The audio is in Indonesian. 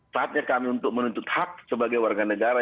saatnya kami untuk menuntut hak sebagai warga negara